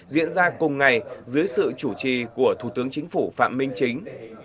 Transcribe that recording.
diễn ra cùng ngày dưới sự chủ trì của thủ tướng chính phủ phạm minh chính